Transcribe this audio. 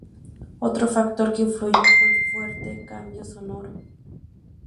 Otro factor que influyó fue el fuerte cambio sonoro.